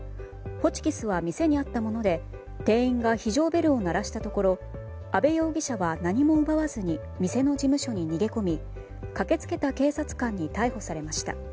ホチキスは店にあったもので店員が非常ベルを鳴らしたところ安部容疑者は何も奪わずに店の事務所に逃げ込み駆け付けた警察官に逮捕されました。